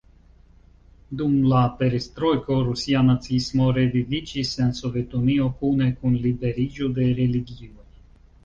Dum la Perestrojko, Rusia naciismo reviviĝis en Sovetunio, kune kun liberiĝo de religioj.